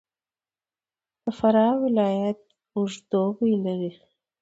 فراه ولایت اوږد دوبی لري.